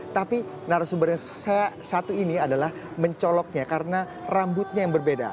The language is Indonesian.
tapi narasumber yang satu ini adalah mencoloknya karena rambutnya yang berbeda